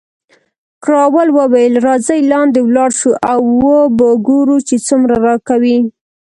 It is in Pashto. کراول وویل، راځئ لاندې ولاړ شو او وو به ګورو چې څومره راکوي.